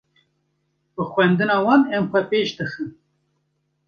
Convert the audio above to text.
Bi xwendina wan em xwe bi pêş dixin.